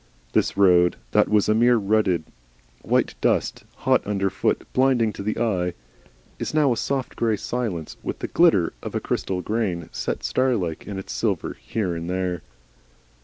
This road that was a mere rutted white dust, hot underfoot, blinding to the eye, is now a soft grey silence, with the glitter of a crystal grain set starlike in its silver here and there.